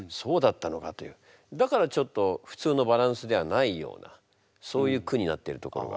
だからちょっと普通のバランスじゃないようなそういう句になってるところが。